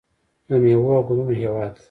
د میوو او ګلونو هیواد.